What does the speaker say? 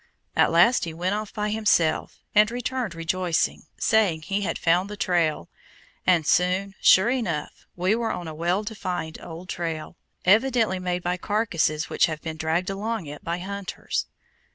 At last he went off by himself, and returned rejoicing, saying he had found the trail; and soon, sure enough, we were on a well defined old trail, evidently made by carcasses which have been dragged along it by hunters.